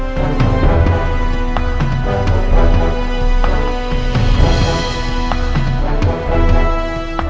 บ้านบ้านเรียนแล้ว